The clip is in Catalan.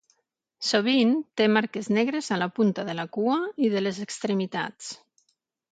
Sovint té marques negres a la punta de la cua i de les extremitats.